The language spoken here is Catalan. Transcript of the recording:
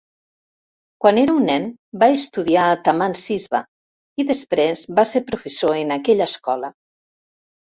Quan era un nen, va estudiar a Taman Siswa, i després va ser professor en aquella escola.